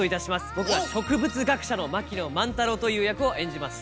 僕は植物学者の槙野万太郎という役を演じます。